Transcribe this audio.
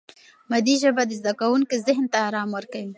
مادي ژبه د زده کوونکي ذهن ته آرام ورکوي.